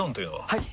はい！